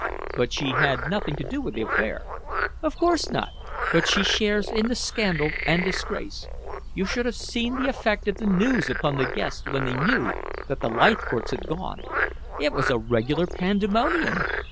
"But she had nothing to do with the affair." "Of course not. But she shares in the scandal and disgrace. You should have seen the effect of the news upon the guests when they knew that the Leithcourts had gone. It was a regular pandemonium.